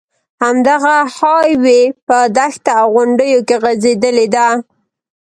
همدغه های وې په دښته او غونډیو کې غځېدلې ده.